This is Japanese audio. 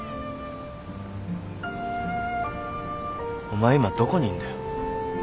お前今どこにいんだよ。